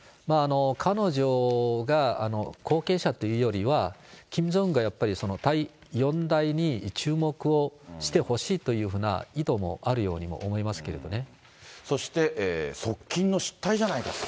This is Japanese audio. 彼女が後継者というよりは、キム・ジョンウンがやっぱり、第４代に注目をしてほしいというふうな意図もあるようにも思いまそして側近の失態じゃないかと。